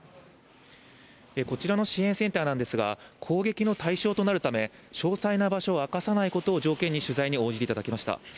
こちらの支援センターなんですが、攻撃の対象となるため、詳細な場所を明かさないことを条件に、取材に応じていただけました。